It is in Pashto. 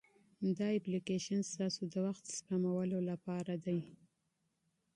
دا اپلیکیشن ستاسو د وخت سپمولو لپاره دی.